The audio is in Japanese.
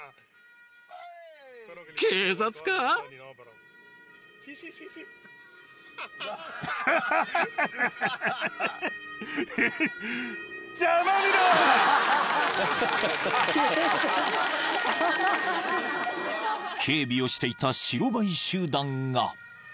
［警備をしていた白バイ集団が］